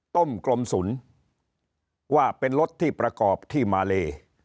ต้มกลมศูนย์ว่าเป็นรถที่ประกอบที่มาเล